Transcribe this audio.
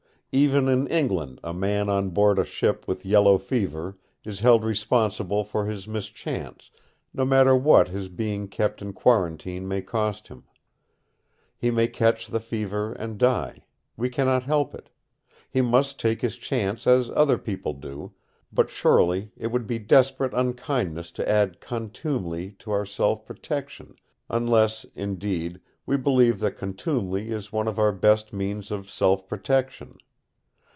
Even in England a man on board a ship with yellow fever is held responsible for his mischance, no matter what his being kept in quarantine may cost him. He may catch the fever and die; we cannot help it; he must take his chance as other people do; but surely it would be desperate unkindness to add contumely to our self protection, unless, indeed, we believe that contumely is one of our best means of self protection.